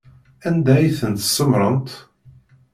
Anda ay tent-tsemmṛemt?